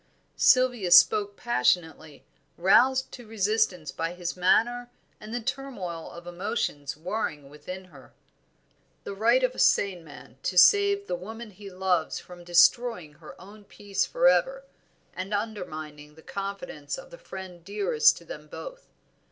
Sylvia spoke passionately, roused to resistance by his manner and the turmoil of emotions warring within her. "The right of a sane man to save the woman he loves from destroying her own peace forever, and undermining the confidence of the friend dearest to them both.